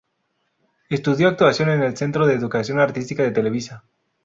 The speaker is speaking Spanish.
Estudio actuación en el Centro de Educación Artística de Televisa.